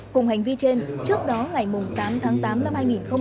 cùng hành vi trên trước đó ngày tám tháng tám năm hai nghìn hai mươi ba